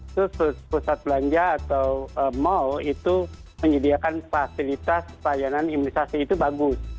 itu pusat belanja atau mal itu menyediakan fasilitas pelayanan imunisasi itu bagus